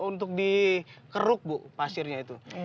untuk dikeruk bu pasirnya itu